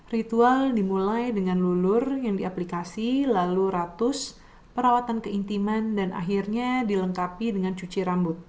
ritual dimulai dengan lulur yang di aplikasi lalu ratus perawatan keintiman dan akhirnya dilengkapi dengan cuci rambut